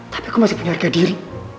tapi aku masih punya harga diri